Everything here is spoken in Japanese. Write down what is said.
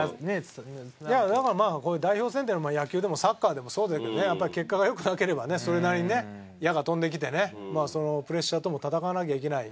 だからまあ代表戦っていうのは野球でもサッカーでもそうだけどねやっぱり結果が良くなければねそれなりにね矢が飛んできてねプレッシャーとも闘わなきゃいけない。